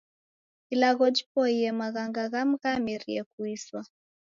Ilagho jiboie maghanga ghamu ghamerie kuiswa.